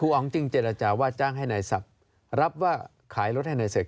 รองจีงเจรจรว่าจ้างให้นายสับรับว่าขายรถให้นายเสร็จ